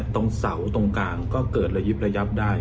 ตรงเสาตรงกลางก็เกิดระยิบระยับได้